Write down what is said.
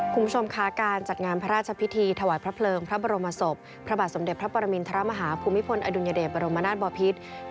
คุณผู้ชมคะการจัดงานพระราชพิธีถวายพระเพลิงพระบรมศพพระบาทสมเด็จพระปรมินทรมาฮาภูมิพลอดุลยเดชบรมนาศบอพิษ